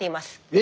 え